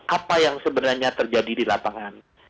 apa yang sebenarnya terjadi di lapangan